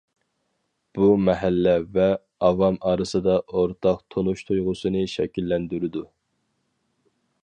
بۇ مەھەللە ۋە ئاۋام ئارىسىدا ئورتاق تونۇش تۇيغۇسىنى شەكىللەندۈرىدۇ.